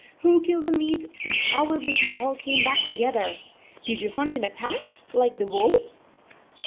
Who killed the meat, and how was it you all came back together? Did you hunt in a pack, like the wolves